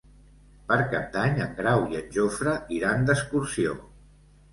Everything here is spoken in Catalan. Per Cap d'Any en Grau i en Jofre iran d'excursió.